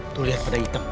tuh lihat pada item